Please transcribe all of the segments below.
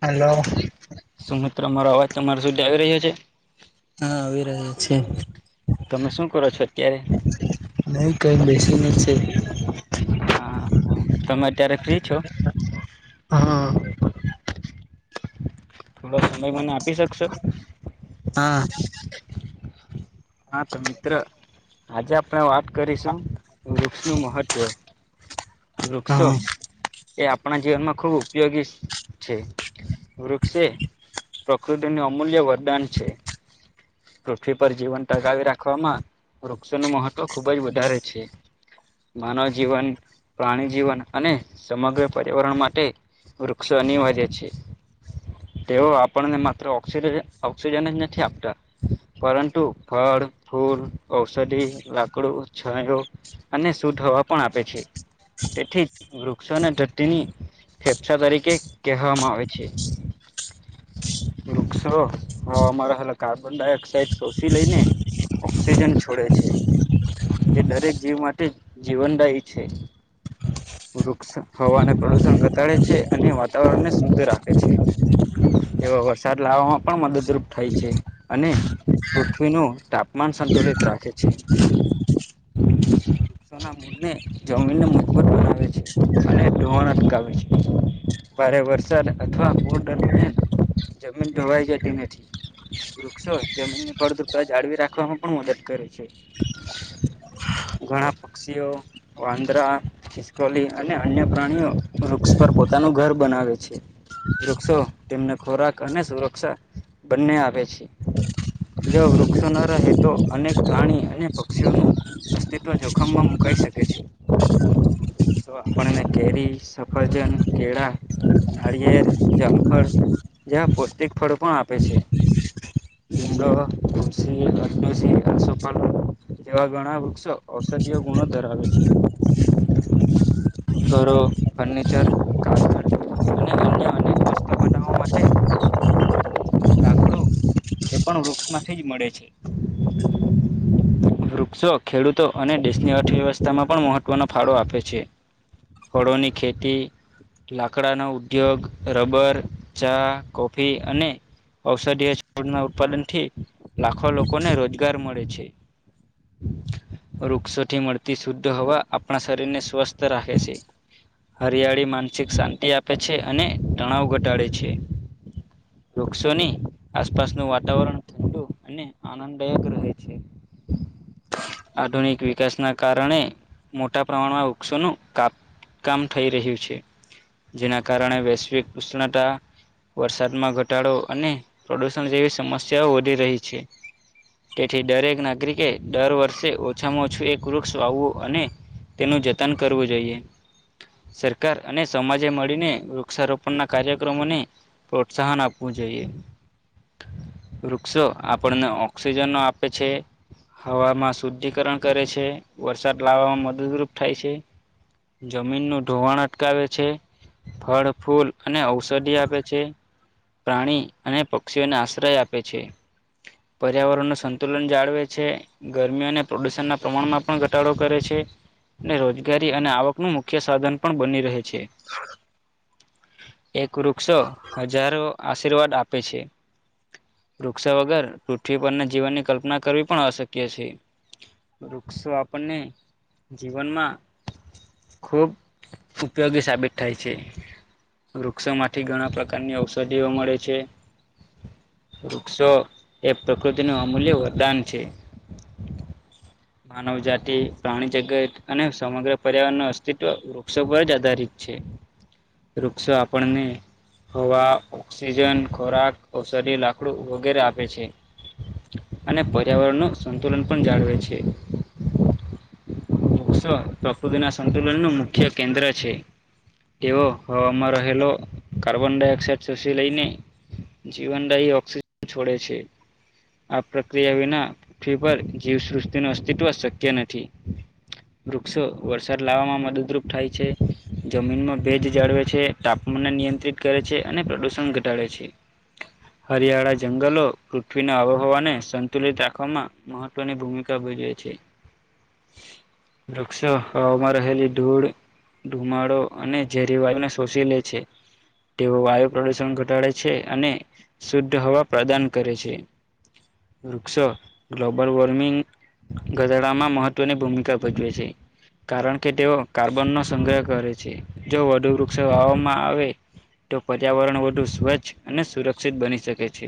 Hello. શું મિત્ર મારો અવાજ તમારા સુધી આવી રહ્યો છે. હા આવી રહ્યા છે. તમે શું કરો છો. અત્યારે નહી કઈ બેસીને છે. હા તમે અત્યારે ફ્રી છો. હા થોડો સમય મને આપી શકશે હા. હા તો મિત્ર આજે આપણે વાત કરીશું વૃક્ષ નું મહત્વ વૃક્ષો હા એ આપણા જીવનમાં ખૂબ ઉપયોગી છે. વૃક્ષે. પ્રકૃતિનું અમૂલ્ય વરદાન છે. પૃથ્વી પર જીવન ટગાવી રાખવામાં વૃક્ષો નું મહત્વ ખુબ જ વધારે છે. માનવ જીવન પ્રાણી જીવન અને સમગ્ર પર્યાવરણ માટે. વૃક્ષ અનિવાર્ય છે. તેઓ આપણને માત્ર ઓક્ ઓક્સિજન જ નથી આપતા પરંતુ. ફળ, ફૂલ, ઔષધી, લાકડું, છાંયો. અને શુદ્ધ હવા પણ આપે છે તેથી જ વૃક્ષોને ધરતીની. ફેફસા તરીકે કહેવામાં આવે છે. વૃક્ષો હ હવા માં રહેલા કાર્બન ડાયોક્સાાઈડ શોષી લઈને. ઓક્સિજન છોડે છે તે દરેક જીવ માટે જીવનદાયી છે. વૃક્ષ હવાને પ્રદુષણ ઘટાડે છે અને વાતાવરણ ને શુદ્ધ રાખે છે. તેઓ વરસાદ લાવવામાં પણ મદદરૂપ થાય છે અને. પૃથ્વીનું તાપમાન સંતુલિત રાખે છે. [unintelligible] ને જમીનને મફબત બનાવે છે અને ધોવાણ અટકાવે છે. ભારે વરસાદ અથવા પૂર દરમિયાન જમીન ધોવાઈ જતી નથી. વૃક્ષો જમીન ની ફળદ્રતા જાળવી રાખવાવામાં પણ મદદ કરે છે. ઘણા પક્ષીઓ વાંદરા ખીસકોલી અને અન્ય પ્રાણીઓ વૃક્ષ પર પોતાનું ઘર બનાવે છે. વૃક્ષો તેમને ખોરાક અને સુરક્ષા બંને આપે છે. જો વૃક્ષો ન રહે તો અનેક પ્રાણી અને પક્ષીઓનું અસ્તિત્વ જોખ જોખમમાં મુકાય સકે છે. વૃક્ષો આપણને કેરી, સફરજન, કેળા, નાળિયેર, જામફળ. જ્યાં પૌષ્ટિક ફળો પણ આપે છે. મુડ તુલસી અડસી આસોપાલવ એવા ગણા વૃક્ષો ઔષધીય ગુણો ધરાવે છે. ઘરો ફર્નિચર અને અનેક વસ્તુ બનાવવા માટે લાકડું એ પણ વૃક્ષ માંથી જ મળે છે. વૃક્ષો ખેડૂતો અને દેશની અર્થવ્યવસ્થામાં પણ મહત્વનો ફાળો આપે છે. ફળોની ખેતી લાકડા નો ઉદ્યોગ રબર ચા કોફી અને ઔષધીય છ ઉત્પાદન થી લાખો લોકોને રોજગાર મળે છે. [inaudible] વૃક્ષોથી મળતી શુદ્ધ હવા આપણા શરીરને સ્વસ્થ રાખે છે. હરિયાળી માનસિક શાંતિ આપે છે અને તણાવ ઘટાડે છે. વૃક્ષોની આસપાસનું વાતાવરણ ઠંડુ અને આનંદદાયક રહે છે. આધુનિક વિકાસના કારણે મોટા પ્રમાણમાં વૃક્ષોનું કાપ કામ થઈ રહ્યું છે. જેના કારણે વૈશ્વિક ઉષ્ણતા વરસાદમાં ઘટાડો અને પ્રદુષણ જેવી સમસ્યાઓ વધી રહી છે. તેથી દરેક નાગરિકે દર વર્ષે ઓછામાં ઓછું એક વૃક્ષ વાવવું અને તેનું જતન કરવું જોઈએ સરકાર અને સમાજે મળીને વૃક્ષારોપણના કાર્યક્રમોને પ્રોત્સાહન આપવું જોઈએ વૃક્ષો આપણને ઓક્સિજનો આપે છે. હવામાં શુદ્ધિકરણ કરે છે વરસાદ લાવવામાં મદદરૂપ થાય છે. જમીનનું ધોવાણ અટકાવે છે. ફળ ફૂલ અને ઔષધિ આપે છે પ્રાણી અને પક્ષીઓને આશ્રય આપે છે પર્યાવરણ ન સંતુલન જાળવે છે. ગરમી અને પ્રદુષણના પ્રમાણમાં પણ ઘટાડો કરે છે અને રોજગારી અને નું મુખ્ય સાધન પણ બની રહે છે. એક વૃક્ષો હજારો આશીર્વાદ આપે છે. વૃક્ષા વગર પૃથ્વી પરના જીવનની કલ્પના કરવી પણ અશક્ય છે. વૃક્ષો આપણને જીવનમાં ખૂબ ઉપયોગી સાબિત થાય છે. વૃક્ષોમાંથી ઘણા પ્રકારની ઔષધિઓ મળે છે. વૃક્ષો એ પ્રકૃતિનું અમૂલ્ય વરદાન છે. માનવ જાતિ પ્રાણી જગત અને સમગ્ર પર્યાવરણ ન અસ્તિત્વ વૃક્ષો પર જ આધારિત છે. વૃક્ષો આપણને હવા ઓક્સિજન ખોરાક ઔષધિય લાકડું વગેરે આપે છે અને પર્યાવરણનું સંતુલન પણ જાળવે છે. વૃક્ષો પ્રકૃતિ ના સંતુલન નું મુખ્ય કેન્દ્ર છે. એવો હવામાં રહેલો કાર્બન ડાયોક્સાાઈડ શોષી લઈને જીવન ર એ ઓક્સિજન છોડે છે આ પ્રક્રિયા વિના પૃથ્વી પર જીવસૃષ્ટિનું અસ્તિત્વ શક્ય નથી વૃક્ષો વરસાદ લાવવામાં મદદરૂપ થાય છે જમીનમાં ભેજ જાળવે છે તાપમાનને નિયંત્રિત કરે છે અને પ્રદુષણ ઘટાડે છે હરિયાળા જંગલો પૃથ્વીના આબોહવાને સંતુલિત રાખવામાં મહત્વની ભૂમિકા ભજવે છે વૃક્ષો હમાં રહેલી ધૂળ ધુમાડો અને ઝેરીવાજુને શોષી લે છે તેઓ વાયુ પ્રદૂષણ ઘટાડે છે અને શુદ્ધ હવા પ્રદાન કરે છે વૃક્ષ ગ્લોબલ વોર્મિંગ ગધડામાં મહત્વની ભૂમિકા ભજવે છે કારણ કે તેઓ કાર્બનનોો સંગ્રહ કરે છે જો વડુ વૃક્ષ વાવામાં આવે તો પર્યાવરણ વધુ સ્વચ્છ અને સુરક્ષિત બની શકે છે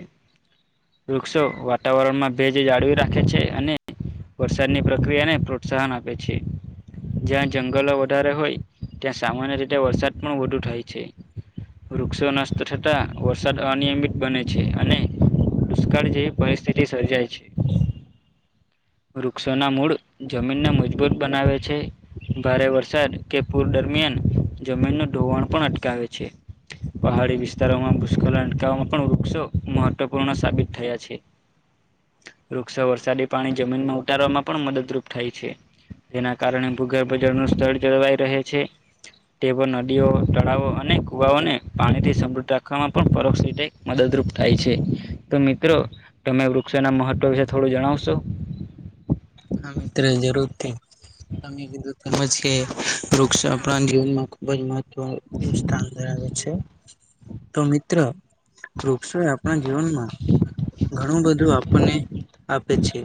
વૃક્ષો વાતાવરણ માં ભેજ જાળવી રાખે છે અને વરસાદની પ્રક્રિયા ને પ્રોત્સાહન આપે છે જ્યાં જંગલો વધારે હોય ત્યાં સામાન્ય રીતે વરસાદ પણ વધુ થાય છે રૃક્ષક્ષોનાસ્તો ટાટા વર્સાદ અનિયમિત બને છે અને દુષ્કાળ જેવી પરિસ્થિતિ સર્જાય છે વૃક્ષોના મૂળ જમીનને મજબૂત બનાવે છે ભારે વરસાદ કે પૂર દરમિયાન જમીનનું ઢોવાણ પણ અટકાવે છે પહાડી વિસ્તારમાં ભૂસ્કલેન વામાં પણ વૃક્ષો મહત્વપૂર્ણ સાબિત થયા છે વૃક્ષો વરસાદી પાણી જમીનમાં ઉતારવામાં પણ મદદરૂપ થાય છે. જેના કારણે ભૂગર્ભજળનું સ્થળ જળવાઈ રહે છે. ટેબલ નદીઓ તળાવો અને કુવાઓને પાણી થી સમૃદ્ધ રાખવામાં પણ પર મદદરૂપ થાય છે તો મિત્રો તમે વૃક્ષોના મહત્વ વિશે થોડું જણાવશો હમત જરૂરથી તમે કીધું સમજ કે વૃક્ષપ જીવનમાં ખુબ જ મહ સ્થાન દે જ છે તો મિત્ર વૃક્ષક્ષોએ આપણા જીવનમાં ઘણું બધું આપણને આપે છે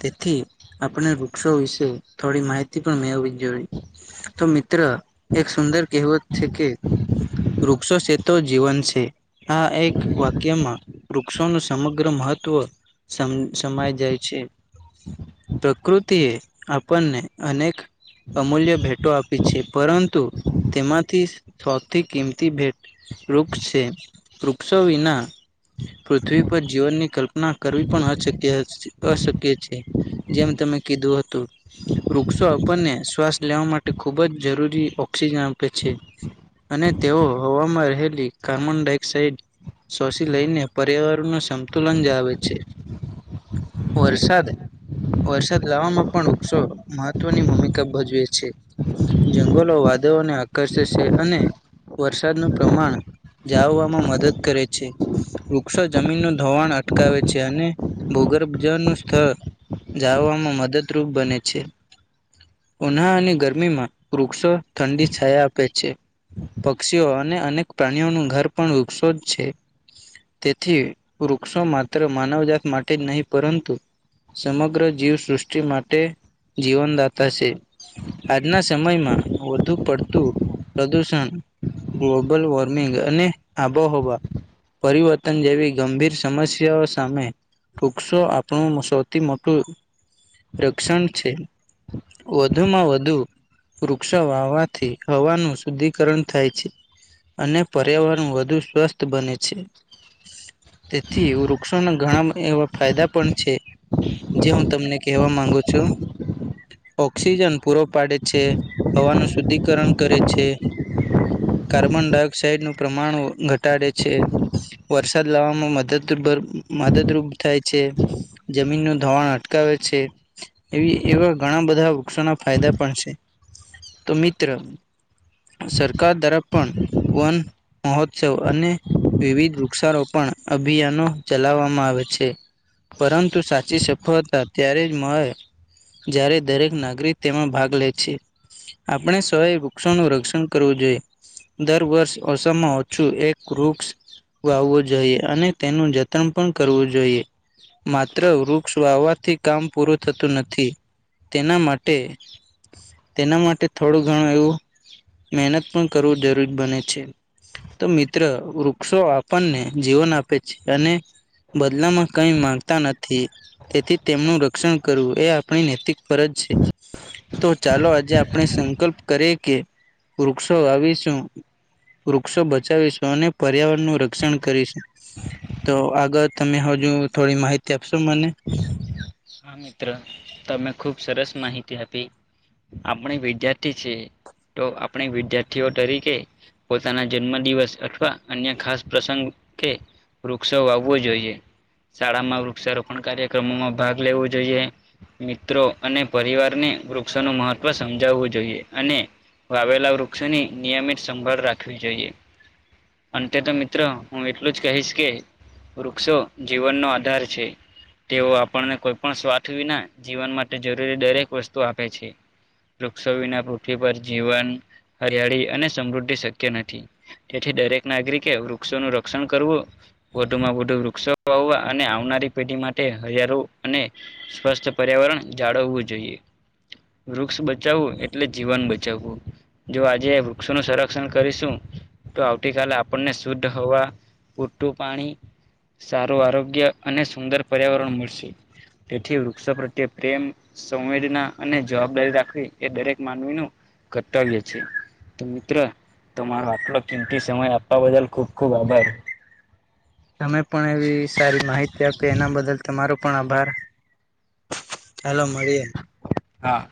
તેથી આપણે વૃક્ષો વિશે થોડી માહિતી પણ મેળવી જ જોઈએ તો મિત્ર એક સુંદર કહેવત છે કે વૃક્ષો તો જીવન છે આ એક વાક્યમાં વૃક્ષોનું સમગ્ર મહત્વ સમ સમય જાય છે પ્રકૃતિએ આપણને અનેક અમૂલ્ય ભેટો આપી છે પરંતુ તેમાંથી સૌથી કિંમતી ભેટ વૃક્ષ છે વૃક્ષો વિના પૃથ્વી પર જીવનની કલ્પના કરવી પણ અછક્ય અશક્ય છે જેમ તમે કીધું હતું વૃક્ષો આપણને શ્વાસ લેવા માટે ખુબ જ જરૂરી ઓક્સિજન આપે છે. અને તેઓ હવામાં રહેલી કાર્મનડાયોક્સાઇડ શોષી લઈને પર્યાવરણનુ સંતુલન જાઆવે છે. વરસાદ વરસાદ લાવવામાં પણ વૃક્ષો મહત્વની ભૂમિકા ભજવે છે. જંગલો વાદવોને આકર્ષે છે અને વરસાદનું પ્રમાણ જાવવામાં મદદ કરે છે. વૃક્ષો જમીનનું ધોવાણ અટકાવે છે અને ભૂગર્ભજળનું સ્થર જાવવામાં મદદરૂપ બને છે. ઉનાઆની અને ગરમીમાં વૃક્ષો ઠંડી છાયા આપે છે. પક્ષીઓ અને અનેક પ્રાણીઓનું ઘર પણ વૃક્ષો જ છે તેથી વૃક્ષો માત્ર માનવજાત માટે જ નહીં પરંતુ સમગ્ર જીવસૃષ્ટિ માટે જીવનદાતા છે. આજના સમયમાં વધુ પડતું પ્રદુષણ ગ્લોબલ વોર્મિંગ અને આબોહવા પરિવર્તન જેવી ગંભીર સમસ્યાઓ સામે વૃક્ષો આપણો થી મોટું રક્ષણ છે. વધુમાં વધુ વૃક્ષો વાવવાથી હવાનું શુદ્ધિકરણ થાય છે. અને પર્યાવરણ વધુ સ્વસ્થ બને છે. તેથી વૃક્ષોનાં ઘણાં એવા ફાયદા પણ છે જે હું તમને કહેવા માંગુ છુ ઓક્સિજન પૂરો પાડે છે, હવાનું શુદ્ધિકરણ કરે છે કાર્બન ડાયોક્સાાઈડનું પ્રમાણ ઘટાડે છે. વરસાદ લાવવામાં મદદરૂ મદદરૂપ થાય છે. જમીનનું ધોવાણ અટકાવે છે. એવી એવા ઘણા બધા વૃક્ષોના ફાયદા પણ છે, તો મિત્ર સરકાર તરફ પણ વન મહોત્સવ અને વિવિધ વૃક્ષારોપણ અભિયાનો ચલાવવામાં આવે છે, પરંતુ તું સાચી સફળતા ત્યારે જ મરે જયારે દરેક નાગરિક તેમાં ભાગ લે છે આપણે સોએ વૃક્ષોનું રક્ષણ કરવું જોઈએ. દર વર્ષ ઓછામાં ઓછું એક વૃક્ષ વાવવો જોઈએ અને તેનું જતન પણ કરવું જોઈએ માત્ માત્ર વૃક્ષ વાવવાથી કામ પૂરું થતું નથી તેના માટે તેના માટે થોડું ઘણું એવું મહેનત પણ કરવું જરૂરી બને છે. તો મિત્ર વૃક્ષો આપણને જીવન આપે છે અને બદલામાં કંઈ માગતા ન તેથી તેમનું રક્ષણ કરવું એ આપણી નૈતિક ફરજ છે. તો ચાલો આજે આપણે સંકલ્પ કરીએ કે વૃક્ષો વાવીશું વૃક્ષો બચાવીશું અને પર્યાવરણનું રક્ષણ કરીશું. તો આગળ તમે હજુ થોડી માહિતી આપશો મને? હા મિત્ર તમે ખુબ સરસ માહિતી આપી આપણે વિદ્યાર્થી છીએ ટો આપણે વિધાર્થીઓ તરીકે પોતાના જન્મ દિવસ અથવા અન્ય ખાસ પ્રસંગ કે વૃક્ષો વાવવો જોઈએ, શાળામાં વૃક્ષારોપણ કાર્યક્રમોમાં ભાગ લેવો જોઈએ મિત્રો અને પરિવારને વૃક્ષોનું મહત્વ સમજાવવું જોઈએ અને વાવેલા વૃક્ષોની નિયમિત સંભાળ રાખવી જોઈએ. અંતે તો મિત્ર હું એટલું જ કહીશ કે વૃક્ષો જીવનનો આધાર છે તેઓ આપ ણને કોઈ પણ સ્વાર્થ વિના જીવન માટે જરૂરી દરેક વસ્તુ આપે છે. વૃક્ષો વિના પૃથ્વી પર જીવન હરિયાળી અને સમૃદ્ધિ શક્ય નથી. તેથી દરેક નાગરિકે વૃક્ષો નું રક્ષણ કરવું વધુમાં વધુ વૃક્ષો વાવવા અને આવનારી પેઢી માટે હજારો અને સ્વસ્થ પર્યાવરણ જાળવવું જોઈએ. વૃક્ષ બચાવવું એટલે જીવન બચાવવું. જો આજે વૃક્ષોનું સંરક્ષણ કરીશું તો આવતીકાલે આપણને શુદ્ધ હવા પૂરતું પાણી, સારું આરોગ્ય અને સુંદર પર્યાવરણ મળશે. તેથી વૃક્ષો પ્રત્યે પ્રેમ સંવેદના અને જવાબદારી રાખવી એ દરેક માનવીનું કર્તવ્ય છે તો મિત્ર તમારો આટલો કિંમતી સમય આપવા બદલ ખુબ ખુબ આભાર. તમે પણ એવી સારી માહિતી આપી એના બદલ તમારો પણ આભાર. હેલો મળીએે હા